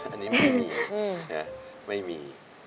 อันนี้ไม่มี